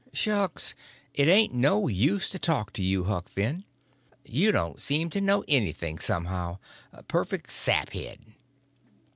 "Shucks, it ain't no use to talk to you, Huck Finn. You don't seem to know anything, somehow—perfect saphead."